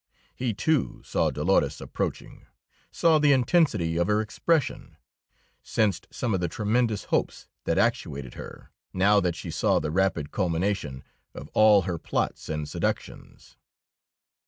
He, too, saw Dolores approaching; saw the tensity of her expression; sensed some of the tremendous hopes that actuated her, now that she saw the rapid culmination of all her plots and seductions.